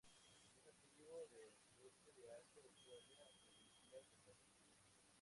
Es nativo del sudeste de Asia, Australia e islas del Pacífico.